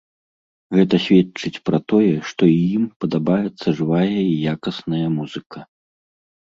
Гэта сведчыць пра тое, што і ім падабаецца жывая і якасная музыка.